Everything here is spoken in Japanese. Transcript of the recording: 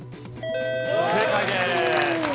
正解です。